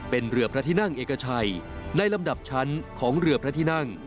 เป็นเรือพระที่นั่งเอกชัยในลำดับชั้นของเรือพระที่นั่ง